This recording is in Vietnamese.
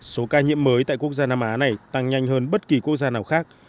số ca nhiễm mới tại quốc gia nam á này tăng nhanh hơn bất kỳ quốc gia nào khác